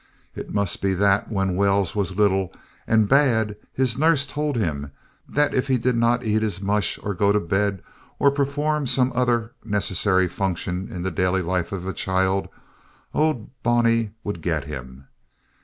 It must be that when Wells was little and bad his nurse told him that if he did not eat his mush or go to bed, or perform some other necessary function in the daily life of a child, Old Bony would get him.